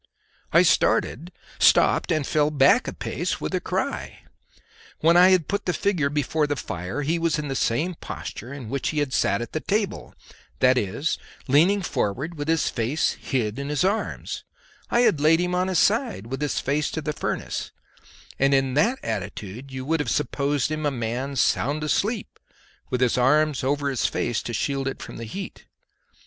I started, stopped, and fell back a pace with a cry. When I had put the figure before the fire he was in the same posture in which he had sat at the table, that is, leaning forward with his face hid in his arms; I had laid him on his side, with his face to the furnace, and in that attitude you would have supposed him a man sound asleep with his arms over his face to shield it from the heat.